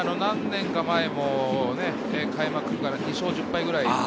何年か前も開幕から２勝１０敗くらい。